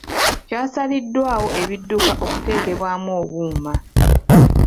Kyasaliddwawo ebidduka okuteekebwamu obuuma.